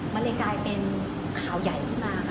มันเลยกลายเป็นข่าวใหญ่ขึ้นมาค่ะ